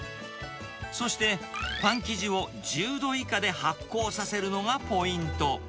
そして、パン生地を１０度以下で発酵させるのがポイント。